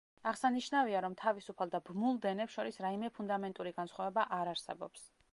აღსანიშნავია, რომ თავისუფალ და ბმულ დენებს შორის რაიმე ფუნდამენტური განსხვავება არ არსებობს.